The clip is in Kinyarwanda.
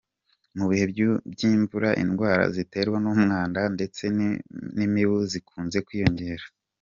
Mu bihe by'imvura indwara ziterwa n'umwanda ndetse n'imibu zikunze kwiyongera.